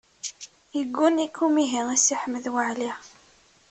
Yegguni-k umihi a Si Ḥmed Waɛli.